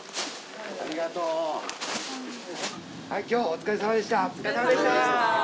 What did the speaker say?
お疲れさまでした！